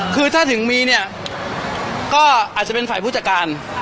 คือถ้าถึงมีเนี่ยก็อาจจะเป็นฝ่ายผู้จัดการ